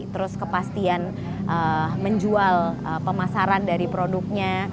terus kepastian menjual pemasaran dari produknya